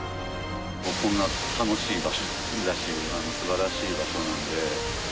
こんな楽しい場所だし、すばらしい場所なんで。